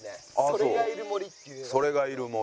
『“それ”がいる森』。